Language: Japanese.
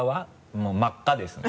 もう真っ赤ですね。